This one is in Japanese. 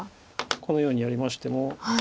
このようにやりましても。